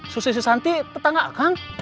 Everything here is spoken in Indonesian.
susi susanti tetangga kang